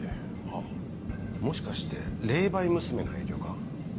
あっもしかして霊媒娘の影響か？